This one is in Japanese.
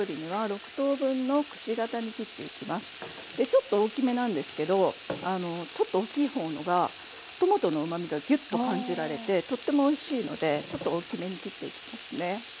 ちょっと大きめなんですけどちょっと大きい方がトマトのうまみがギュッと感じられてとってもおいしいのでちょっと大きめに切っていきますね。